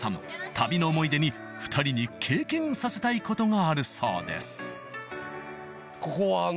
旅の思い出に２人に経験させたいことがあるそうです